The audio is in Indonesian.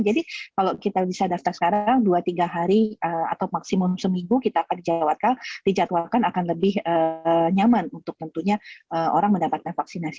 jadi kalau kita bisa daftar sekarang dua tiga hari atau maksimum seminggu kita akan dijadwalkan akan lebih nyaman untuk tentunya orang mendapatkan vaksinasi